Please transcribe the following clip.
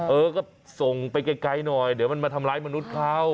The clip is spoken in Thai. เออก็ส่งไปไกลหน่อยเดี๋ยวมันมาทำร้ายมนุษย์เขา